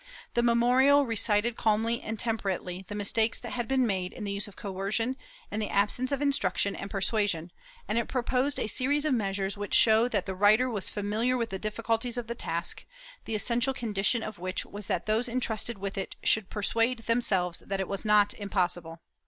The memorial recited calmly and temperately the mistakes that had been made in the use of coercion and the absence of instruction and persuasion, and it proposed a series of measures which show that the writer was familiar with the difficultes of the task, the essential condition of which was that those entrusted with it should persuade them selves that it was not impossible.